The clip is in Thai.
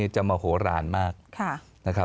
จะมาโหราญมาก